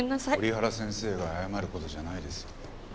折原先生が謝る事じゃないですよ。